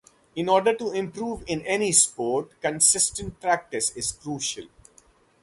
In order to improve in any sport, consistent practice is crucial.